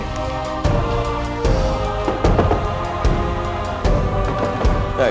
kalau kamu nggak percaya aku bakal buktiin lagi